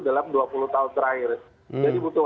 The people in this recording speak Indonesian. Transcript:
dalam dua puluh tahun terakhir jadi butuh